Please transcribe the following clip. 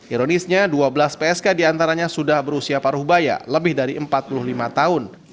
ironisnya dua belas psk diantaranya sudah berusia paruh baya lebih dari empat puluh lima tahun